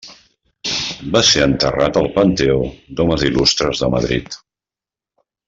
Va ser enterrat al Panteó d'Homes Il·lustres de Madrid.